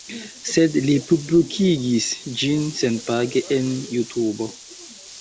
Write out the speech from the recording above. Sed li publikigis ĝin senpage en Jutubo